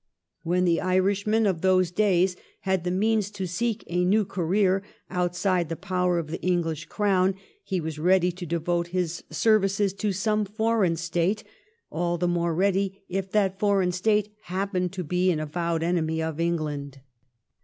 When the Irishman of those days had the means to seek a new career outside the power of the English Crown he was ready to devote his services to some foreign State, all the more ready if that foreign State happened to be an avowed enemy of England.